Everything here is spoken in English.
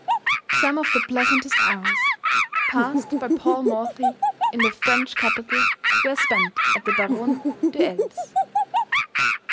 Some of the pleasantest hours passed by Paul Morphy in the French capital were spent at the Baronne de L.'s.